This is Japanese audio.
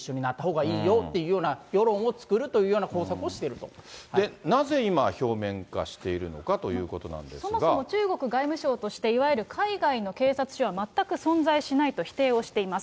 台湾は中国と一緒になったほうがいいよというような世論を作るとなぜ今、表面化しているのかそもそも中国外務省として、いわゆる海外の警察署は全く存在しないと否定をしています。